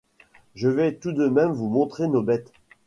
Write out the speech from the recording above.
Je vais tout de même vous montrer nos bêtes.